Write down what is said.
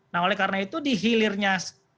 nah oleh karena itu di hilirnya